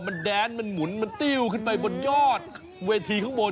มันแดนมันหมุนมันติ้วขึ้นไปบนยอดเวทีข้างบน